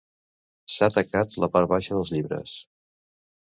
S'ha tacat la part baixa dels llibres.